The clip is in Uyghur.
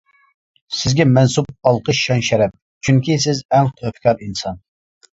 سىزگە مەنسۇپ ئالقىش، شان-شەرەپ، چۈنكى، سىز ئەڭ تۆھپىكار ئىنسان.